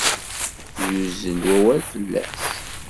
Yuzzel wawal fell-as.